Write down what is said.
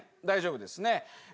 大丈夫ですね。